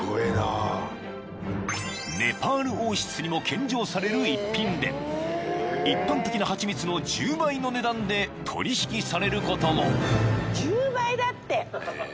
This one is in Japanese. ［ネパール王室にも献上される逸品で一般的なハチミツの１０倍の値段で取引されることも］